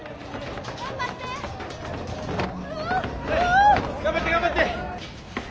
あ！頑張って頑張って！